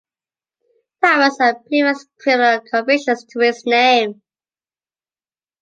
Thomas had previous criminal convictions to his name.